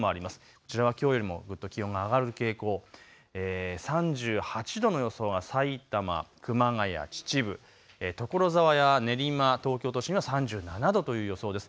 こちらはきょうよりもぐっと気温が上がる傾向、３８度の予想はさいたま、熊谷、秩父、所沢や練馬、東京都心は３７度という予想です。